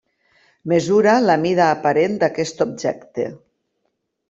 Mesura la mida aparent d'aquest objecte.